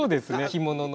着物の。